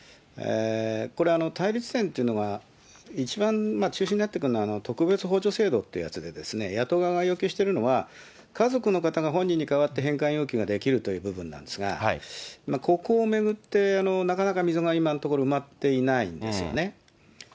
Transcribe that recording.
これ、対立点というのが、一番中心になってくるのは、特別補助制度ってやつで、野党側が要求しているのは、家族の方が本人に代わって返還要求ができるという部分なんですが、ここを巡ってなかなか溝が今のところ、埋まっていないんですよね。